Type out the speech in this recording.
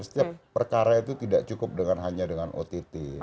setiap perkara itu tidak cukup dengan hanya dengan ott